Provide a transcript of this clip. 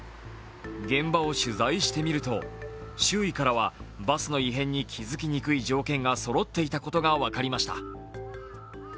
現場を取材してみると、周囲からはバスの異変に気づきにくい条件がそろっていたことが分かりました。